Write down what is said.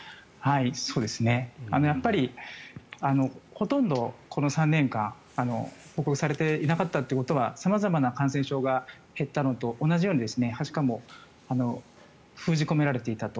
やっぱりほとんどこの３年間報告されていなかったということは様々な感染症が減ったのと同じようにはしかも封じ込められていたと。